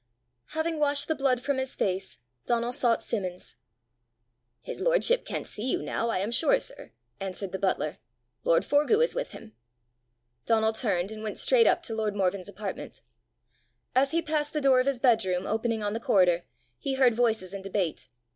Having washed the blood from his face, Donal sought Simmons. "His lordship can't see you now, I am sure, sir," answered the butler; "lord Forgue is with him." Donal turned and went straight up to lord Morven's apartment. As he passed the door of his bedroom opening on the corridor, he heard voices in debate.